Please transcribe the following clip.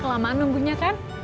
udah kelamaan nunggunya kan